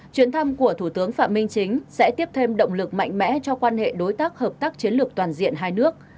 chuyến thăm của thủ tướng phạm minh chính sẽ tiếp thêm động lực mạnh mẽ cho quan hệ đối tác hợp tác chiến lược toàn diện hai nước